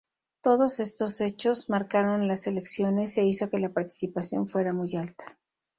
Todos estos hechos marcaron las elecciones e hizo que la participación fuera muy alta.